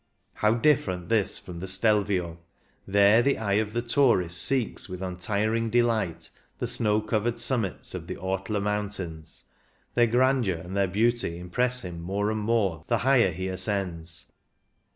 How different this from the Stelvio ! There the eye of the tourist seeks with untiring delight the snow covered summits of the Ortler Mountains. Their grandeur and their beauty impress him more and more the higher he ascends.